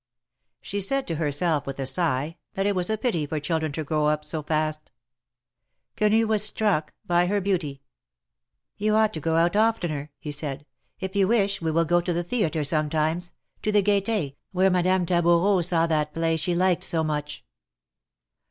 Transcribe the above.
She said to herself with a sigh, that it was a pity for children to grow up so fast. Quenu was struck by her beauty. " You ought to go out oftener," he said. " If you wish, we will go to the tlieatre sometimes — to the Gaiety, where Madame Taboureau saw that play she liked so much."